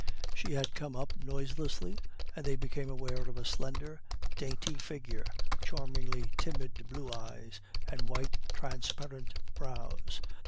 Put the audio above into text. She had come up noiselessly, and they became aware of a slender, dainty figure, charmingly timid blue eyes, and white transparent brows.